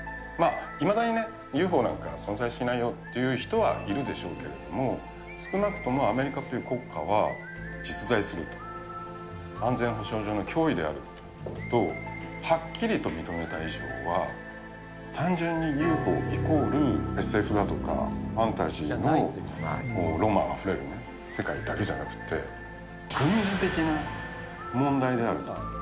いまだにね、ＵＦＯなんかは存在しないよという人はいるでしょうけれども、少なくともアメリカという国家は、実在すると、安全保障上の脅威であると、はっきりと認めた以上は、単純にＵＦＯイコールＳＦだとかファンタジーのロマンあふれる世界だけじゃなくて、軍事的な問題であると。